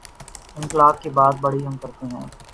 انقلا ب کی بات ہم بڑی کرتے ہیں۔